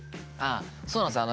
ああそうなんですよ。